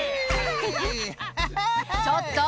ちょっと！